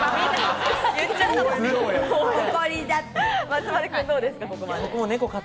松丸君どうですか？